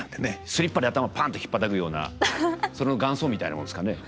スリッパで頭パンとひっぱたくようなその元祖みたいなもんですかね。